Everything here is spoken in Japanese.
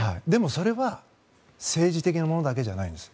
それは政治的なものだけじゃないんです。